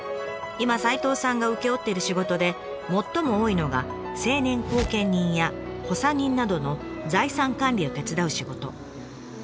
今齋藤さんが請け負っている仕事で最も多いのが成年後見人や保佐人などの財産管理を手伝う仕事。